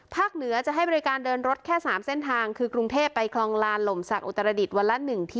ภาคเหนือจะให้บริการเดินรถแค่สามเส้นทางคือกรุงเทพไปคลองลาหลมสักอุตรศรรยษทธิ์วันละหนึ่งเที่ยว